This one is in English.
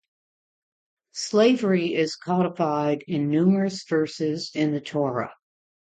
Slavery is codified in numerous verses in the Torah.